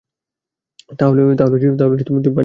তাহলে তুমি পাঞ্জাবি ক্ষত্রিয়।